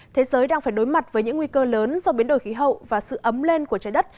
thế giới đang phải đối mặt với những nguy cơ lớn do biến đổi khí hậu và sự ấm lên của trái đất